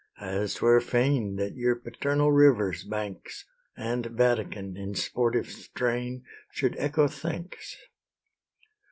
as 'twere fain That your paternal river's banks, And Vatican, in sportive strain, Should echo thanks.